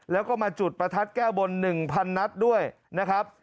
แล้วก็มาจุดประทัดแก้บน๑๐๐นัดด้วยนะครับ